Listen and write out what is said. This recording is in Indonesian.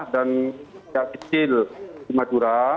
dan kak kecil di madura